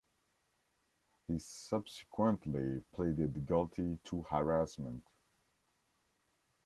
He subsequently pleaded guilty to harassment.